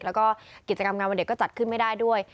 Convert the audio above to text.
แล้วก็กิจกรรมงานวันเด็กก็จัดขึ้นไม่ได้ด้วย